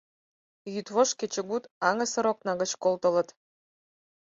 Йӱдвошт-кечыгут аҥысыр окна гыч колтылыт.